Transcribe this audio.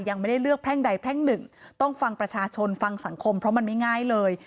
ยังไม่ได้เลือกแพร่งใดแพร่งหนึ่งต้องฟังประชาชนฟังสังคมเพราะมันไม่ง่ายเลย